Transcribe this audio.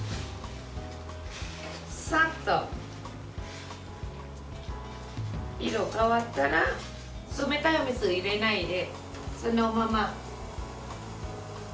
さっと、色が変わったら冷たい水に入れないで、そのまま。